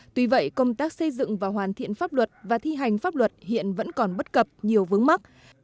tuy vậy công tác xây dựng và hoàn thiện pháp luật và thi hành pháp luật hiện vẫn còn bất cập nhiều vướng mắt